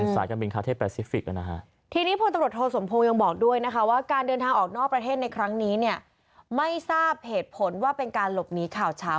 สาบเหตุผลว่าเป็นการหลบหนีข่าวเช้า